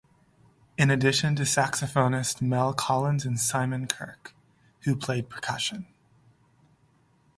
In addition to saxophonist Mel Collins and Simon Kirke, who played percussion.